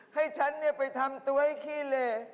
ให้ฉันไปทำตัวให้ขี้เหล